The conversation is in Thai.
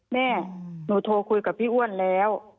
แม่หนูโทรคุยกับพี่อ้วนแล้ว